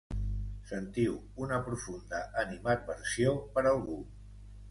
Sentiu una profunda animadversió per algú.